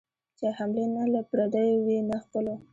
چي حملې نه له پردیو وي نه خپلو